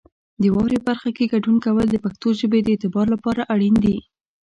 د واورئ برخه کې ګډون کول د پښتو ژبې د اعتبار لپاره اړین دي.